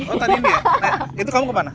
oh tahun ini ya nah itu kamu kemana